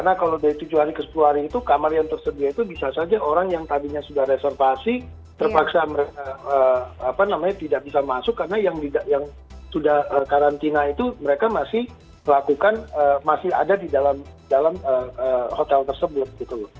karena kalau dari tujuh hari ke sepuluh hari itu kamar yang tersedia itu bisa saja orang yang tadinya sudah reservasi terpaksa tidak bisa masuk karena yang sudah karantina itu mereka masih melakukan masih ada di dalam hotel tersebut gitu loh